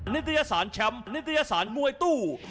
นิตยสารแชมป์นิตยสารมวยตู้